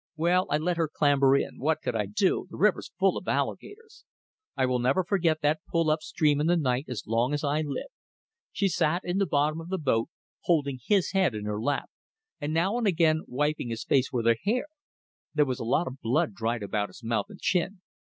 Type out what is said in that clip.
Well, I let her clamber in. What could I do? The river's full of alligators. I will never forget that pull up stream in the night as long as I live. She sat in the bottom of the boat, holding his head in her lap, and now and again wiping his face with her hair. There was a lot of blood dried about his mouth and chin.